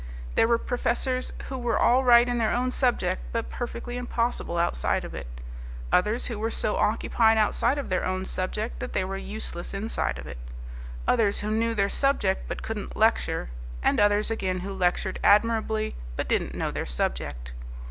There were professors who were all right in their own subject, but perfectly impossible outside of it; others who were so occupied outside of their own subject that they were useless inside of it; others who knew their subject, but couldn't lecture; and others again who lectured admirably, but didn't know their subject.